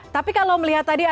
tapi kalau melihat tadi